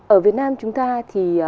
ở việt nam chúng ta thì